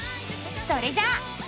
それじゃあ。